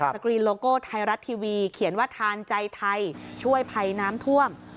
กรีนโลโก้ไทยรัฐทีวีเขียนว่าทานใจไทยช่วยภัยน้ำท่วม